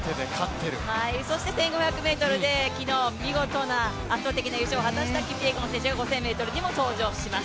そして１５００ｍで昨日見事な、圧倒的な勝利をしたキピエゴン選手が５０００ｍにも登場します。